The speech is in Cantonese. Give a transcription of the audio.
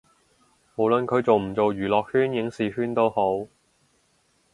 無論佢做唔做娛樂圈影視圈都好